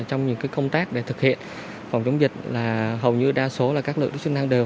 trong những công tác để thực hiện phòng chống dịch là hầu như đa số là các lực lượng chức năng đều